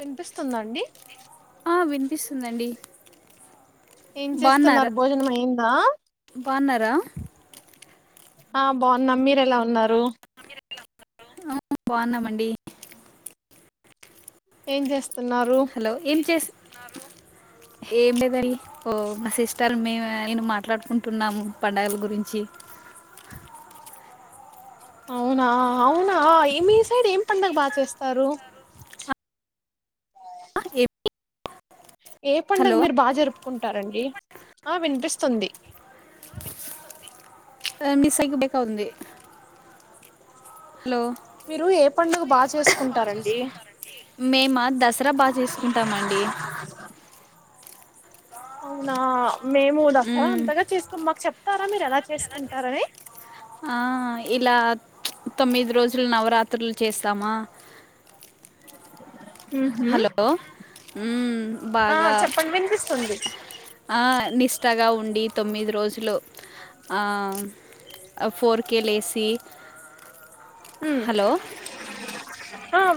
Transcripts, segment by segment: వినిపిస్తుంద అండి ఆ వినిపిస్తుందండి ఏం బాగున్నారా చేస్తున్నారు భోజనం అయ్యిందా బాగున్నారా ఆ బాగున్నాం మీరు ఎలా ఉన్నారు ఆ బాగున్నామండి ఏం జేష్ హలో ఏం చేసి ఏం లేదయి ఓ మా సిస్టల్ మ నేను మాట్లాడుకుంటున్నాం పండగల గురించి అవునా అవునా మీ సైడ్ ఏం పండగ బాగా చేస్తారు ఆ, ఏమి ఏ పండగ హలో మీరు బాగా జరుపుకుంటారండి ఆ వినిపిస్తు స్తుంది ఆ మస్గి బ అంది హలో మీరు ఏ పండుగ బాగా చేసుకుంటారండి మేము దసరా బాగా తీసుకుంటామ అండి అవునా మేము దసరా మ్మ్. అంతగా చేసుకు మాకు చెప్తారా మీరు ఎలా చేసుకుంటారని ఆ, ఇలా తొమ్మిది రోజులు నవరాత్రులు చేస్తామా ఉహు హలో ఆ బాగా చెప్పండి వినిపిస్తుంది ఆ నిష్టగా ఉం అ ఫ వ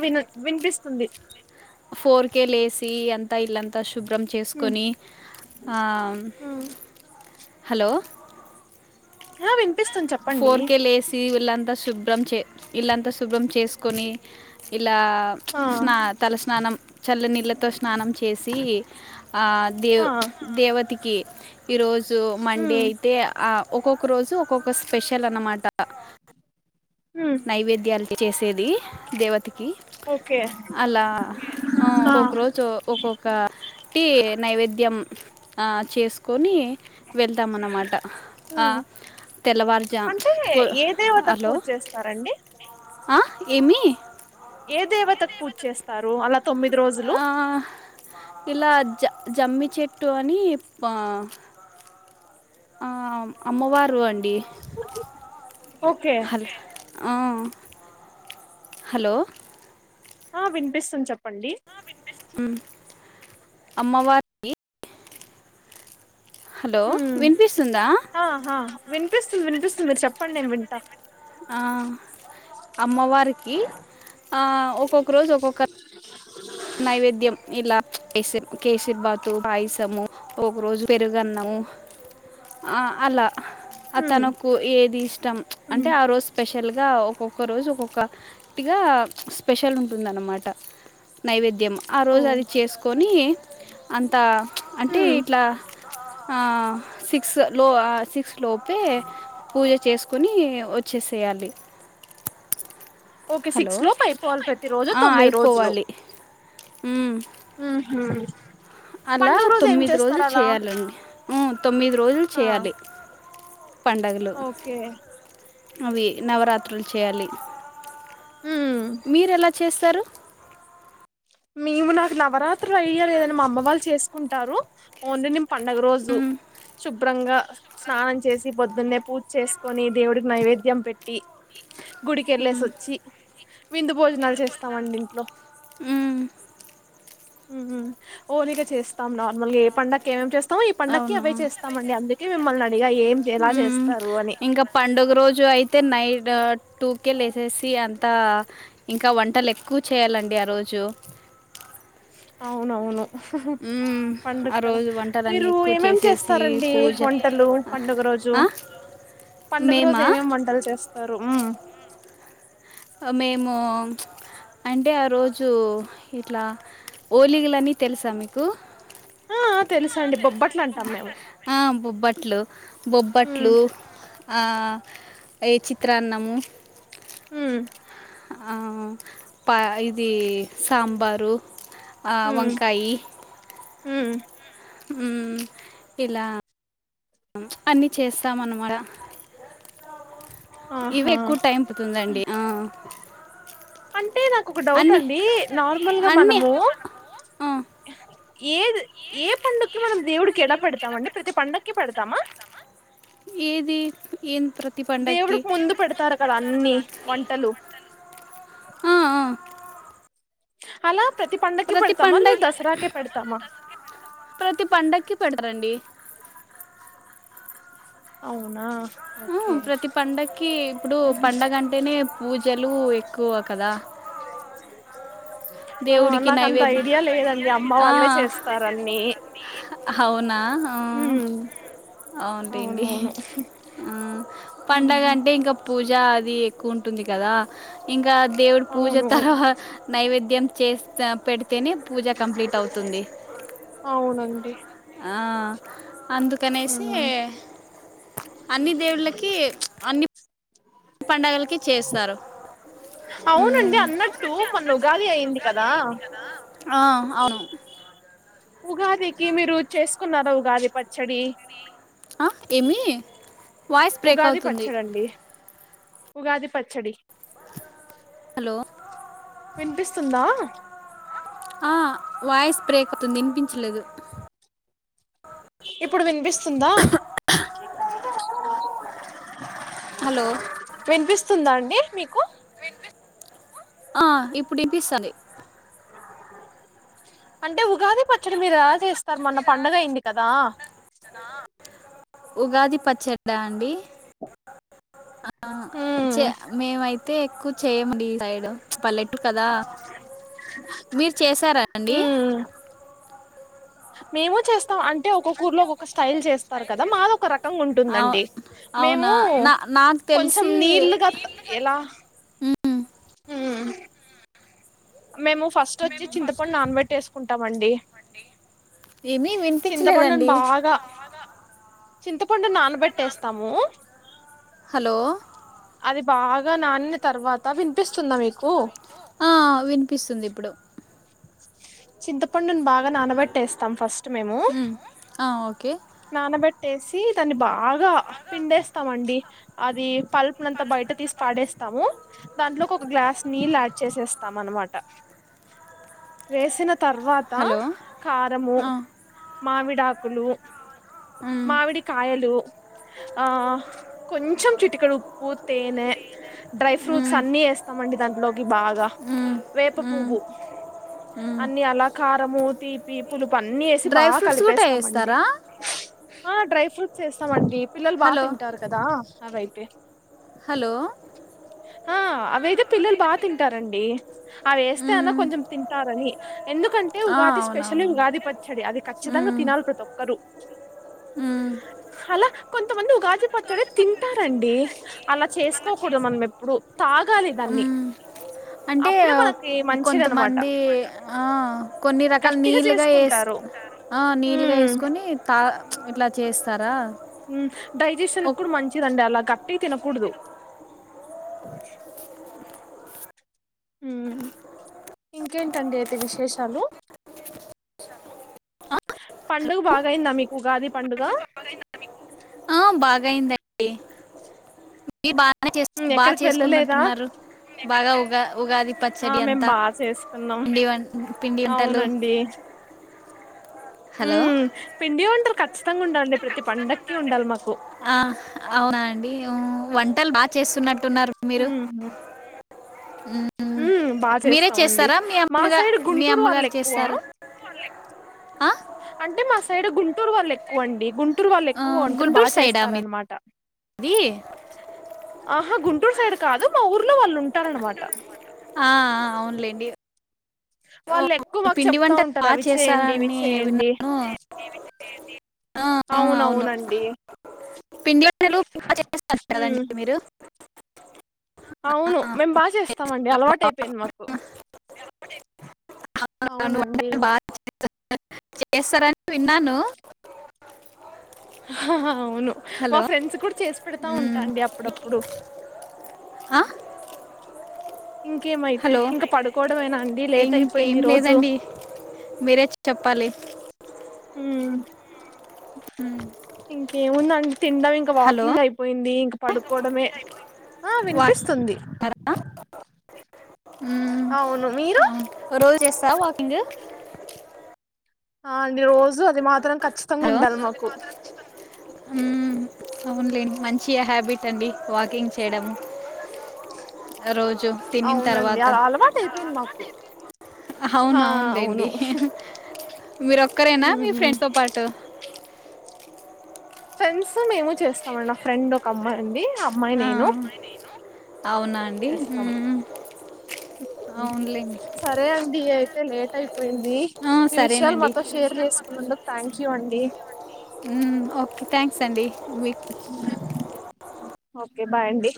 వినోద్ వినిపిస్తుంది ఫోర్ కే లేస్ అ ఇ చే ఉమ్ ఉమ్ హలో ఆ వినిపిచస్త ఫోర్ కేె లేసి ఇలాంతా శుభ్రం చే ఇలాంతా స్ శుభ్రం చేసుకొని ఇలా ఆ తల స్నానం చల్ల నీళ్ళ తో స్నానం చేసి ఆ దేవ్ ఆ దేవతి కి రోజ్ జు మండే ఉమ్ అయితే ఆ ఒక్కొక్క రోజు ఒక్కొక్క స్పెషల్ అన్నమాట హ్మ్ నైవేద్యాల చేసేది దేవత ఓకే అలా ఒొక్క రోజు ఒక్కొక్కటి నైవేద్యం ఆ చేసుకొని వెళ్తాంన్నమాట హ్మ్ తెల్లవారుజామ్ హలో సరండి ఆ ఏమి ఏ దేవతకు పూజ చేస్తారు అలా తొమ్మిది రోజులు ఆ ఇలా అజ్జ జమ్మి చెట్టు అని అమ్మ వార్ ండి ఓకే హ హలో ఆ వినిపిస్తుంది చెప్పండి ఆ వినిపిస్తుంది అమ్మవారినీ హలో హ్మ్ వినిపిస్తుందా ఆ వినిపిస్తుంది మీరు చెప్పండి నేను వింటా అ అమ్మవారికి ఒక్కొక్క రోజు ఒక్కొక్క [unintelligible] నైవేద్యం ఇలా కేసిర్ కేసిర్ బాతు పాయసము ఒక రోజు పెరుగన్నము ఆ అలా అ హ్మ్ తనకు ఏది ఇష్టం అంటే హ్మ్ ఆరోజు స్పెషల్ స్పెషల్గా ఒక్కొక్క రోజు ఒక్కొక్కటిగా స్పెషల్ ఉంటుందన్నమాట నైవేద్య మ్మా ఆ ఓ రోజు అది చేసుకొని అంత అంటే హ్మ్ ఇట్లా ఆ సిక్స్ లో సిక్స్ లోపే పూజ చేసుకు కుని వచ్చేసేయాలి ఓకే హలో సిక్స్ లోపు అయిపోవాలి ప్రతి రోజు తొమ్మిది రోజులు ఉం ఉం హు అలా పండుగ రోజు ఏం తొమ్మిది చేస్తారు రోజులు అలా చేయాలండి ఉం తొమ్మిది రోజులు ఆ చేయాలి. పండగలు ఓకే అవి నవరాత్రులు చేయాలి. హ్మ్ మీరెలా చేస్ స్తరు మేము నాకు నవరాత్రు అయ లేదని మా అమ్మ వాళ్ళు చేసుకుంటారు. ఓన్లీ నేన్ పండగ రోజు మ్మ్, శుభ్రంగా స్నానం చేసి పొద్దున్నే పూజ్ చేస్కొని దేవుడికి నైవేద్యం పెట్టి గుడికెళ్లేసి మ్మ్, వచ్చి విందు భోజనాలు చేస్తామండి ఇంట్లో మ్మ్. మ్ ఓలిగా చేస్తాం నార్మల్గా ఏ పండక్కి ఏమేం చేస్ అవునా మిమ్మల్ని అడిగా ఏం ఎలా మ్ చేస్తారు అని ఇంకా పండుగ రోజు అయితే నైట్ టూకే లేసెసి అంతా ఇంకా వంటలెక్కు చేయాలండి ఆ రోజు అవునవును. మ్మ్. పండగ ఆ కదా రోజు వంటలన్నీ మీరు ఎక్కువ ఏమేం చేసేసి చేస్తారండి పూజ వంటలు పండుగ రోజు ఆ? పండుగ రోజు మేమా ఏమేం వంటలు చేస్తారు. ఆ మేము అంటే ఆ రోజు ఇట్లా ఓలీలన్ని తెలుసా మీకు ఆ తెలుసండి బొబ్బట్లు అంటాం మేము బట్లు ఉమ్ బొబ్బట్లు ఆ ఏ చిత్రాన్నం. హ్ ఆ పా ఇది సాంబారు. ఆ వంకాయి హ్ మ్ ఇలా అన్నీ చేస్తాం అన్నమాట ఆహా పడుతుందండి ఆ, అంటే నాకు ఒక అన్నీ డౌటండి నార్మల్గా అన్నీ మనము ఆ, ఏ ఏ పండుగక్కి మనం దేవుడికి ఎలా పెడ్తామండి ప్రతి పండక్కి పెడతామా ఏది ఎం దేవుడికి ముందు పెడతారు కదా అన్ని వంటలు ఆ, ఆ, అలా ప్రతి పండక్కి ప్రతి పెడతామా పండ లేదా దసరాకే పెడతామా ప్రతి పండక్కి పెడరండి. అవునా మ్ ఓకే ప్రతి పండక్కి ఇప్పుడు పండగ అంటేనే పూజలు ఎక్కువ కదా అ ఆ దేవుడికి నాకంత నైవేద్య ఐడియా లేదండి అమ్మ ఆ వాళ్ళే చేస్తారన్నీ అవునా ఆ హ్మ్ అవునులేండి ఆ పండగ ఉమ్ అంటే ఇంకా పూజ అది ఎక్కువ ఉంటుంది కదా ఇంకా దేవుడు పూజ అవును తర్వా నైవేద్యం చేస్తా పెడితేనే పూజ కంప్లీట్ అవుతుంది మండి ఆ అందుకనేసి ఉమ్ అన్ని దేవ్వులకి ప్చ్ అన్ని పండగలకి చేస్తారు ఉమ్. అవునండి అన్నట్టు మొన్న ఉగాది అయింది కదా ఆ అవ్ను ఉగాదికి మీరు చేసుకున్నారా ఉగాది పచ్చడి ఆ ఏమి వాయిస్ బ్రేక్ ఉగాది అవుతుంది పచ్చడండి ఉగాది పచ్చడి హలో వినిపిస్తుందా ఆ వాయిస్ బ్రేక్ [inaudible] విన్పించలేదు ఇప్ ఇప్పుడు వినిపిస్తుందా [inaudible] హలో వస్తుందా అండి మీకు ఆ ఇప్పుడు ఇనిపిస్తాంది అంటే ఉగాది పచ్చడి మీరు ఎలా చేస్తారు మొన్న పండగ అయ్యింది కదా ఉగాది పచ్చాడ అండి ఆ ఉమ్ చే మేమై అయితే ఎక్కువ చేయ్యమండి ఈ సైడ్ పల్లెటూర్ కదా మీరు చేసారా అండి ఉమ్ మేము చేస్తాం అంటే ఒక్కొక్కఊర్లో ఒక్క స్ స్టైల్ చేస్తారు కదా మాది ఒక రకంగా అవు- ఉంటుందండి మేము అవునా నా నాకు కొంచెం తెలిసి నీళ్లుగా త ఎలా మ్మ్. హ్మ్ మేము ఫస్ట్ వచ్చి చింతపండు నానాపెట్టేసుకుంటాం అండి ఏమీ చింతపండును వినిపించలేదండి బాగా చింతపండు నానబెట్టేస్తాము హలో అది బాగా నానినా తర్వాత వినిపిస్తుందా మీకు ఆ వినిపిస్తుంది ఇప్పుడు చింతపండున్ బాగ్ గా నానాబెట్టేస్తాం ఫస్ట్ మేము మ్మ్. ఆ, ఓకే నానబెట్టేసి దాన్ని బా గా పిండేస్తాం అండి అది పల్ప్ నంతా బయట తీసి పాడేస్తాము దాంట్లోకి ఒక గ్లాస్ నీళ్ళు యాడ్ చేసేస్తాం అనమాట వేసిన తర్వాత హలో కారము మావిడాకులు మావిడికాయలు ఆ కొంచం చిటికెడు ఉప్పు తేనె డ్రై ఫ్రూట్స్ అన్ని ఏస్తామండి దాంట్లోకి బాగా వేప పువ్వు అన్ని అలాకాత్ ఆ మూతి పీపులు అన్ని ఏసి బా డ్రై ఫ్రూట్స్ కూడా కలిపేస్తామండి వేస్తారా ఆ డ్రై ఫ్రూట్ చేస్తామండి పిల్లలు బా హలో తింటారు కదా అవై తే హలో ఆ అవైతే పిల్లలు బా తింటారండి అవేస్తే అన్నా మ్మ్. కొంచెం తింటారని ఎందుకంటే ఆ, ఉగాది స్పెషలే అవునవును ఉగాది పచ్చడి అది ఖచ్చితంగా మ్మ్. తినాలి ప్రతి ఒక్కరూ మ్మ్. అలా కొంతమంది ఉగాది పచ్చడి తింటారండి అలా చేసుకోకూడదు మనమెప్ ప్పుడు అం అంటే అప్పుడే మనకి మంచిది అనమాట కొంతమంది ఆ కొన్ని రకాల గట్టిగా నీళ్లుగా ఏస్ చేసుకుంటారు నీళ్ళుగా ఉమ్ ఏసుకొని తా ఇట్లా చేస్తారా డైజెషన్ ఒక్- కూడా మంచిదండి అలాకా టి తినకూడదు ఊహూ ఇంకేంటండి అయితే విశేషాలు పండుగ బాగయ్యిందా మీకు ఉగాది పండుగ బాగైందండి ఇ బానే చేస్ మ్మ్ బా ఎక్కడికి వెళ్ళలేదా చేసుకున్నట్టున్నారు బాగా ఉగా ఉగాది ఆ పచ్చడి మేం అంతా బాగా చేసుకున్నాం పిండి వన్ పిండి వంటలు హలో ఉమ్ పిండి వంటలు ఖచ్చ్ తంగుండాలి ప్రతి పండక్కి ఉండాలి మాక్ ఆ అవునా అండి హ్ వంటలు బాగా చేస్తున్నట్ ట్టున్నారు మీరు ఉమ్, ఉ బాగా మీరే చేస్తామండి. చేస్తారా మీ మా అమ్మగా సైడ్ మీ గుంటూరు వాళ్ళు అమ్మగారు ఎక్కువ చేస్తారా ఆ? అంటే మా సైడ్ గుంటూరు వాళ్ళు ఎక్కువ అండి గుం టురు వాళ్ళు ఎక్కువ వంటలు బాగా చేస్తార న్నమాట ది ఆహా గుంటూరు సైడ్ కాదు. మా ఊర్లో వాళ్ళు ఉం ఆ అవునులే లేండి వాళ్ళు ఎక్కువ మాకు చెప్తా ఉంటారు. బాగా అవి చేయండి ఇవి చేస్తారని చేయండి. హా ఆ అవును అవునవునండి పిండి వంటలు బాగా చేస్తారు కదండి. ఉమ్ మీరు ఆ, అవును మేము బాగా చేస్తామండి. అలవాటు అయిపోయింది. మాకు ే అవునండి. చేస్తారని విన్నాను ఆహా హా అవును. మా హలో ఫ్రెండ్స్ కూడా చేసి పెడతా ఉంటా అండి. అప్పుడప్పుడు హా ఇంకేమైతే హలో ఇంకా పడుకోవడమేనా అండి లేట్ అయిపోయింది ఇంకేం ఈ రోజు లేదండి. మీరే చెప్పాలి హ్ ఇంకేం ఉంది అండి తినడం ఇంకా హలో వాకింగ్ అయిపోయింది. ఇంక పడుకోవడమే ఆ వినిపిస్తుంది. హ్ అవును మీరు అవును ఓ రోజు చేస్తవా వాకింగ్ ఆల్ రోజు అది మాత్రం ఖచ్చితంగా హలో ఉండాలి. మాకు మ్మ్, అవునులేండి. మంచి హ్యాబిట్ అండి వాకింగ్ చేయడం. రోజు తిన్నీన్ అవునండి తర్వాత అలా అలవాటు అయిపోయింది మాకు ఆ అవునఅవునులేండి అవును మీరూ ఒక్కరేనా మీ ఉమ్ ఫ్రెండ్స్ తో పాటు ఫ్రెండ్స్ మేము చేస్తామండి. మా ఫ్రెండ్ ఒక అమ్మాయి ఉంది. అమ్మాయి ఆ నేను అవును చేస్తాం అవునులేండి సరే అండి అయి తే లేట్ అయి పోయింది ఆ, మీ విషయాలు సరేనండి మాతో షేర్ అండి ఓకే థ్యాంక్స్ అండి మీట్ ఓకే బాయండి